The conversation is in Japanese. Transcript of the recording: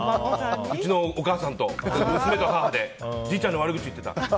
うちのお母さんと、娘と母でじいちゃんの悪口言ってた。